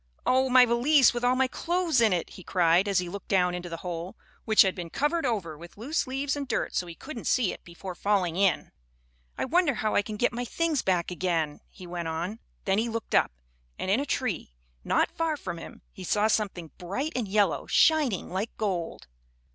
"Oh, my valise, with all my clothes in it!" he cried, as he looked down into the hole, which had been covered over with loose leaves and dirt so he couldn't see it before falling in. "I wonder how I can get my things back again?" he went on. Then he looked up, and in a tree, not far from him, he saw something bright and yellow, shining like gold.